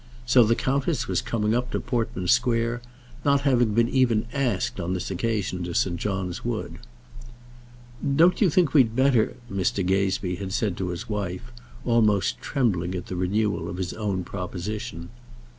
So the countess was coming up to Portman Square, not having been even asked on this occasion to St. John's Wood. "Don't you think we'd better," Mr. Gazebee had said to his wife, almost trembling at the renewal of his own proposition.